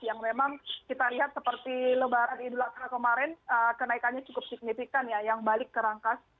yang memang kita lihat seperti lebaran idul adha kemarin kenaikannya cukup signifikan ya yang balik ke rangkas